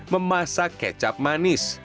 memasak kecap manis